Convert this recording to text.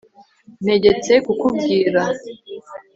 Ntegetse kukubwira